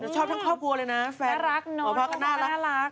ชอบทั้งครอบครัวเลยนะแฟนหมอพากธ์น่ารัก